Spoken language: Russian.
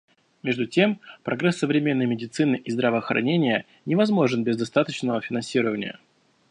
Между тем, прогресс современной медицины и здравоохранения невозможен без достаточного финансирования.